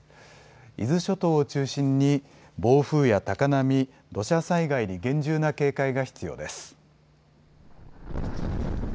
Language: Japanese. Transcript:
伊豆諸島を中心に暴風や高波、土砂災害に厳重な警戒が必要です。